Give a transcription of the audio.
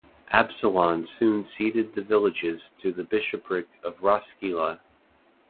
Absalon soon ceded the villages to the Bishopric of Roskilde.